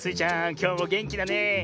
きょうもげんきだねえ。